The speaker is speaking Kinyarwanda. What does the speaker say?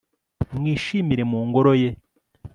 mwishimire mu ngoro ye